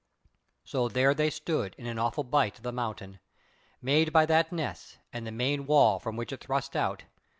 So there they stood in an awful bight of the mountain, made by that ness, and the main wall from which it thrust out.